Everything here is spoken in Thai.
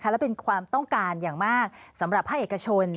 และเป็นความต้องการอย่างมากสำหรับภาคเอกชน